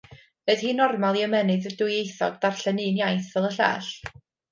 Ydy hi'n normal i ymennydd dwyieithog darllen un iaith fel y llall?